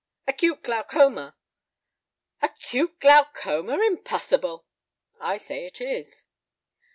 "Acute glaucoma." "Acute glaucoma! Impossible!" "I say it is."